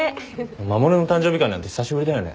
守の誕生日会なんて久しぶりだよね。